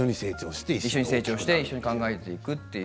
一緒に成長して一緒に考えていく。